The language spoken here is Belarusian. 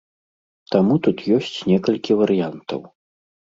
Таму тут ёсць некалькі варыянтаў.